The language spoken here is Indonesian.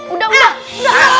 aduh gak bisa pak haji